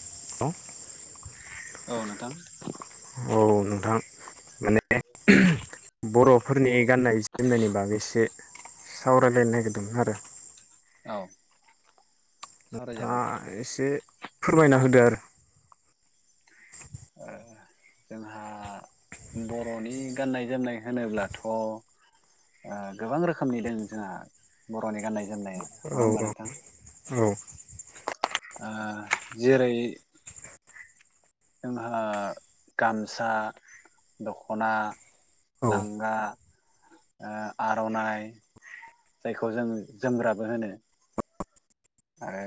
Hello औ नोंथां नोंथां माने बर'फोरनि गाननाय जोमनायनि बागैसो सावरायलायनो नागिरदोंमोन आरो औ सावरायजागोन नोंथाङा एसे फोरमायना होदो आरो ओ जोंहा बर'नि गाननाय जोमनाय होनोब्लाथ' ओ गोबां रोखोमनि दं जोंहा बर'नि गाननाय जोमनाया नङा औ होमबा नोंथां? [inaudible] ओ जेरै जोंहा गामसा दख'ना औ लांगा ओ आर'नाइ जायखौ जों जोमग्राबो होनो। आरो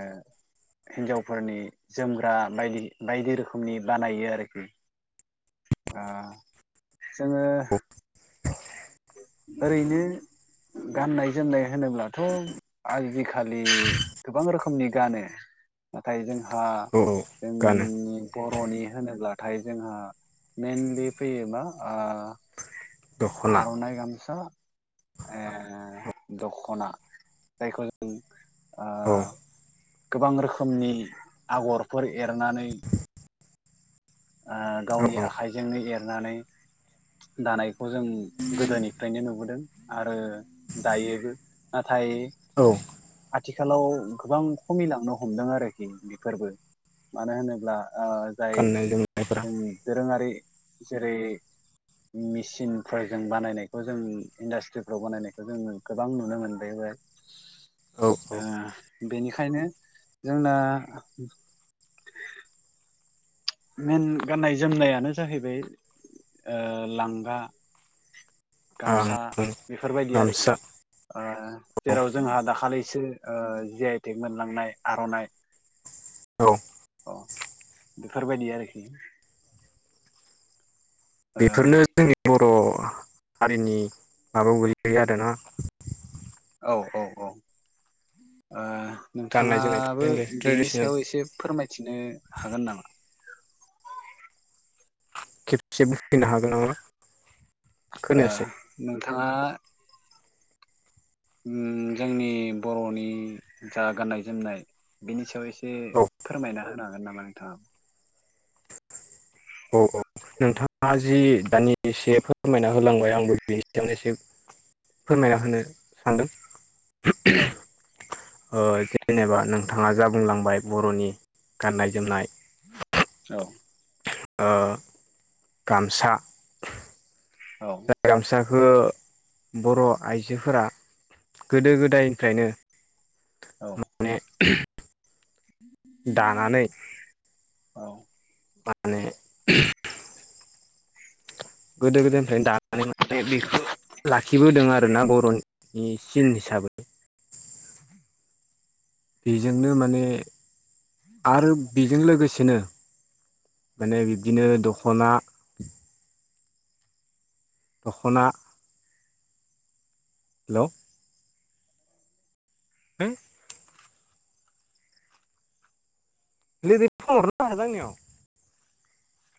हिनजावफोरनि जोमग्रा बायदि बायदि रोखोमनि बानायो आरोखि ओ जोङो ओरैनो गाननाय जोमनाय होनोब्लाथ' आजिखालि गोबां रोखोमनि गानो। नाथाय जोंहा औ गानो जोंनि बर'नि होनोब्लाथाय जोंहा मैनलि फैयो मा ओ दख'ना आर'नाइ गामसा ओ दख'ना जायखौ जों ओ औ गोबां रोखोमनि आगरफोर एरनानै ओ औ गावनि औ आखाइजोंनो एरनानै दानायखौ जों गोदोनिफ्रायनो नुबोदों आरो दायोबो नाथाय औ नाथाय आथिखालाव गोबां खमिलांनो हमदों आरोखि बेफोरबो मानो होनोब्ला ओ जाय गाननाय जोमनायफोरा जोंनि दोरोङारि जेरै मेचिनफोरजों बानायनायखौ जों इन्डास्ट्रिफ्राव बानायनायखौ जों गोबां नुनो मोनबाय औ। औ औ [inaudible] ओ बेनिखायनो जोंना [inaudible] मैन गाननाय जोमनायानो जाहैबाय ओ लांगा आं गामसा बेफोरबायदि आरोखि गामसा ओ औ जेराव जोंहा दाखालिसो ओ जि आइ टेक मोनलांनाय आर'नाइ औ। अ बेफोरबायदि आरोखि। ओ बेफोरनो जोंनि बर' हारिनि माबायाव गोलैयो आरोना। औ औ औ ओ गाननाय नोंथाङाबो जोमनाय बेनि ट्रेडिसनेल सायाव एसे फोरमायथिनो हागोन नामा? खेबसेबो बुंफिनो हागोन नामा? ओ खोनायासै नोंथाङा उम जोंनि बर'नि जा गाननाय जोमनाय बिनि सायाव एसे एसे औ फोरमायना होनो हागोन नामा नोंथाङा? औ औ। नोंथाङा जि दानि इसे फोरमायना होलांबाय आंबो बेनि सायावनो एसे फोरमायना होनो सानदों। औ। ओ जेनेबा नोंथाङा जा बुंलांबाय बर'नि गाननाय जोमनाय औ। ओ गामसा औ। ओ बर' आइजोफोरा गोदो गोदायनिफ्रायनो औ। माने दानानै औ माने गोदो गोदायनिफ्रायनो दानानै माने बेखौ लाखिबोदों आरो ना बरनि सिन हिसाबै बेजोंनो माने आरो बेजों लोगोसेनो माने बिब्दिनो दख'ना दखना हेल' हो नैबे फन हरबाय थादों आंनियाव